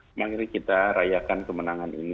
semangat ini kita rayakan kemenangan ini